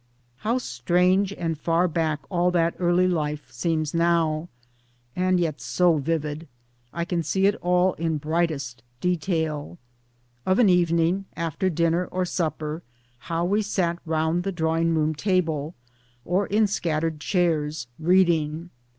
How strange and far back all that early life seems now and yet so vivid I can see it all in brightest detail ! Of an evening, after dinner or supper, how we sat round the drawing room table, or in scattered chairs, reading.